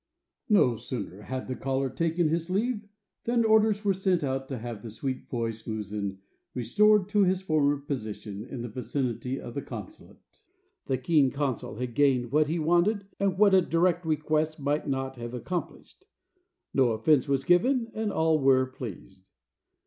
No sooner had the caller taken his leave than orders were sent to have the sweet voiced muezzin restored to his former position in the vicinity of the consulate. The keen consul had gained what he wanted and what a direct request might not have accomplished. No offense was given and all were pleased.